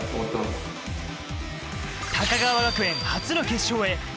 高川学園、初の決勝へ。